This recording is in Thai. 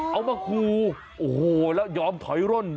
เอามาคูโอ้โหแล้วยอมถอยร่น